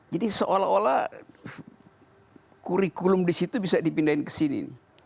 jadi seolah olah kurikulum disitu bisa dipindahin kesini